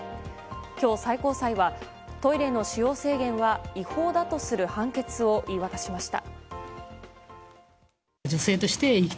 今日、最高裁はトイレの使用制限は違法だとする判決を言い渡しました。